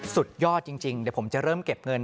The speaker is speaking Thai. สุดยอดจริงผมจะเริ่มเก็บเงิน